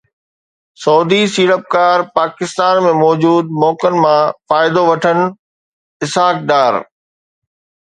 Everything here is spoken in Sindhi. سعودي سيڙپڪار پاڪستان ۾ موجود موقعن مان فائدو وٺن، اسحاق ڊار